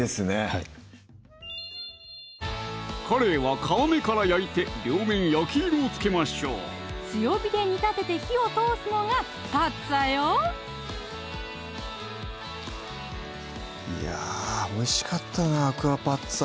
はいかれいは皮目から焼いて両面焼き色をつけましょう強火で煮立てて火を通すのがパッツァよいやおいしかったな「アクアパッツァ」